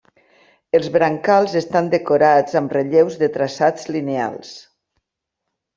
Els brancals estan decorats amb relleus de traçats lineals.